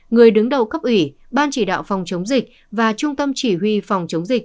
người đứng đầu cấp ủy ban chỉ đạo phòng chống dịch và trung tâm chỉ huy phòng chống dịch